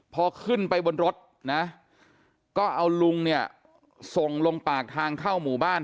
พอขึ้นไปบนรถนะก็เอาลุงเนี่ยส่งลงปากทางเข้าหมู่บ้าน